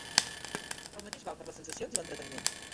El mateix val per a les sensacions i l'entreteniment.